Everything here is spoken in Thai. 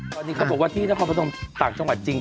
ตอนนี้เขาบอกว่าที่นครพนมต่างจังหวัดจริง